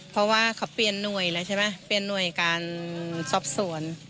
เพราะว่าเขาเปลี่ยนหน่วยแล้วใช่ไหมเปลี่ยนหน่วยการสอบสวน